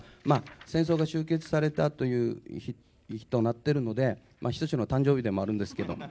戦争が終結された日となっているので等の誕生日でもあるんですけど。